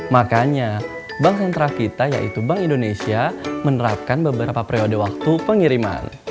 makanya bank sentral kita yaitu bank indonesia menerapkan beberapa periode waktu pengiriman